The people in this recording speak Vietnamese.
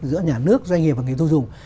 giữa nhà nước doanh nghiệp và người tiêu dùng